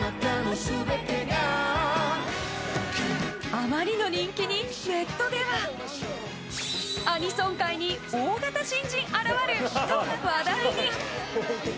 あまりの人気にネットではアニソン界に大型新人現る！と話題に。